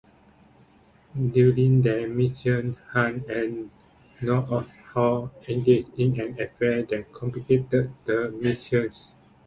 During their mission, Hunt and Nordoff-Hall engage in an affair that complicates the mission.